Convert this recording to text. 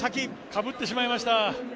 かぶってしまいました。